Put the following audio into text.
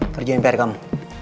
kerjain pr kamu